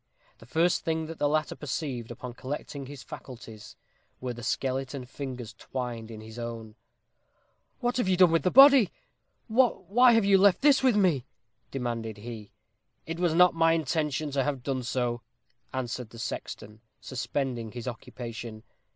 The first thing that the latter perceived, upon collecting his faculties, were the skeleton fingers twined within his own. "What have you done with the body? Why have you left this with me?" demanded he. "It was not my intention to have done so," answered the sexton, suspending his occupation.